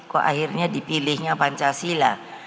kok akhirnya dipilihnya pancasila